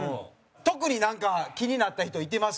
特に、なんか気になった人いてます？